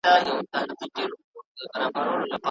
کشپ ولیدل له پاسه شنه کښتونه